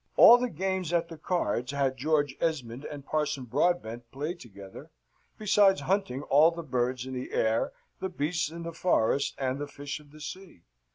All the games at the cards had George Esmond and Parson Broadbent played together, besides hunting all the birds in the air, the beasts in the forest, and the fish of the sea.